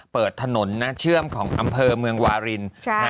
เปิดถนนเชื่อมของอำเภอเมืองวาริน